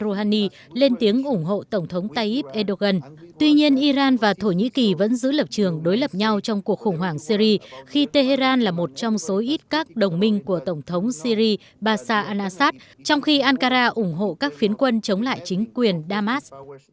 rohani lên tiếng ủng hộ tổng thống tayyip erdogan tuy nhiên iran và thổ nhĩ kỳ vẫn giữ lập trường đối lập nhau trong cuộc khủng hoảng syri khi tehran là một trong số ít các đồng minh của tổng thống syri basa anasat trong khi ankara ủng hộ các phiến quân chống lại chính quyền damas